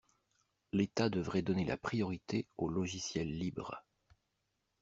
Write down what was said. L'état devrait donner la priorité aux logiciels libres.